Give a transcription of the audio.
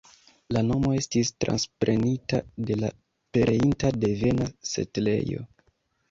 La nomo estis transprenita de la pereinta devena setlejo.